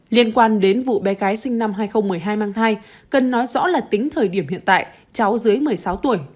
liên quan đến vụ bé gái sinh năm hai nghìn một mươi hai mang thai cần nói rõ là tính thời điểm hiện tại cháu dưới một mươi sáu tuổi